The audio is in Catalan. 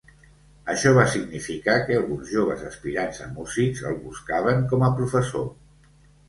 Això va significar que alguns joves aspirants a músics el buscaven com a professor.